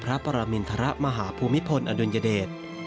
พระปรมินทรมาฮภูมิพลอดุลยเดช